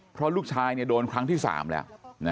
เพราะลูกชายโดนครั้งที่๓แล้ว